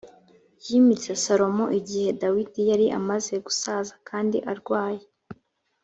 yimitse salomo igihe dawidi yari amaze gusaza kandi arwaye